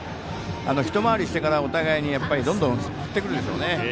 １回りしてからお互いに、どんどん振ってくるでしょうね。